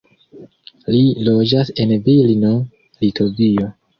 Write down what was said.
Li loĝas en Vilno, Litovio.